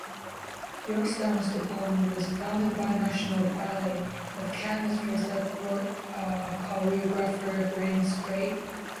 York's Dance department was founded by National Ballet of Canada's first choreographer Grant Strate.